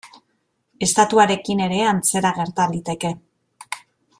Estatuarekin ere antzera gerta liteke.